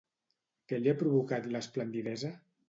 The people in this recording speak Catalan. Què li ha provocat l'esplendidesa?